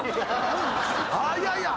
いやいや！